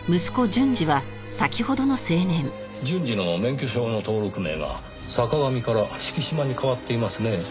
純次の免許証の登録名が「坂上」から「敷島」に変わっていますねぇ。